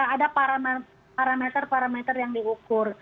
ada parameter parameter yang diukur